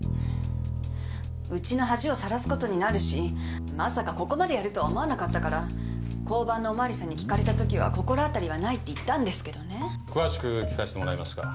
うちの恥をさらすことになるしまさかここまでやるとは思わなかったから交番のお巡りさんに聞かれた時は心当たりはないって言ったんですけどね詳しく聞かせてもらえますか？